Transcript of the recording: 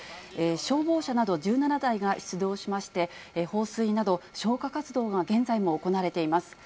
消防車など１７台が出動しまして、放水など、消火活動が現在も行われています。